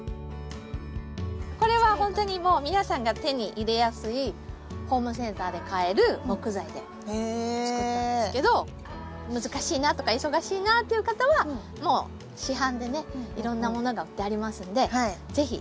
これはほんとにもう皆さんが手に入れやすいホームセンターで買える木材で作ったんですけど難しいなとか忙しいなっていう方はもう市販でねいろんなものが売ってありますので是非